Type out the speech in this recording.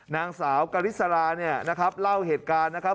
นางสาวกริสราเนี่ยนะครับเล่าเหตุการณ์นะครับ